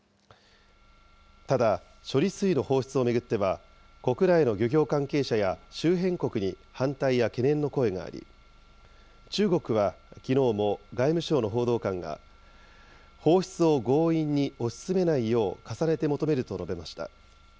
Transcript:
ただ、処理水の放出を巡っては、国内の漁業関係者や周辺国に反対や懸念の声があり、中国はきのうも外務省の報道官が、放出を強引に推し進めないよう重ねて求めると述べました。